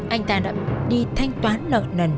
anh ta đã đi thanh toán nợ nần